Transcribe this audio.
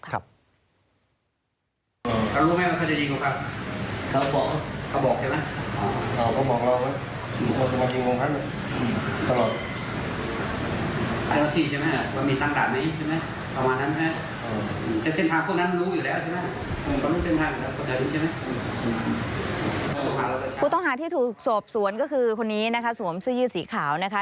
ผู้ต้องหาที่ถูกสอบสวนก็คือคนนี้นะคะสวมเสื้อยืดสีขาวนะคะ